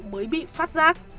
mới bị phát giác